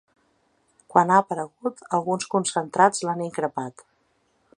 Quan ha aparegut, alguns concentrats l’han increpat.